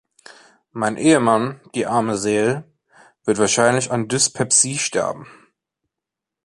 Mein Ehemann, die arme Seel, wird wahrscheinlich an Dyspepsie sterben.